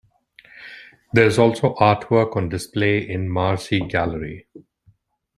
There is also artwork on display in its Marsi Gallery.